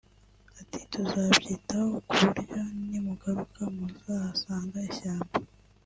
ati “tuzabyitaho ku buryo nimugaruka muzahasanga ishyamba